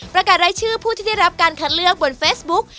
ประกาศรายชื่อผู้ที่ได้รับการคัดเลือกบนเฟซบุ๊ก